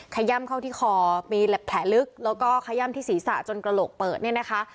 ขย่ำเข้าที่คอมีแผลลึกแล้วก็ขย่ำที่ศีรษะจนกระโหลกเปิดเนี่ยนะคะ